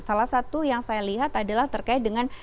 salah satu yang saya lihat adalah terkait dengan